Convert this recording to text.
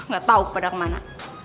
gak tau pada kemana